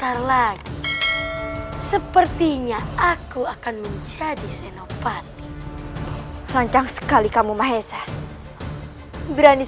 siliwangi yang menyuruhku untuk tinggal disini